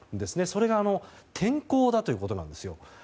それが天候だということなんですよ。